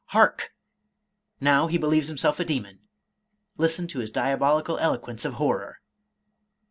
— Hark ! Now he believes himself a demon; listen to his diabolical eloquence of horror!